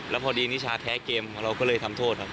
แล้วพอดีนิชาแพ้เกมของเราก็เลยทำโทษครับ